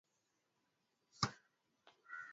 Taa ya chumba hicho ilikuwa inawaka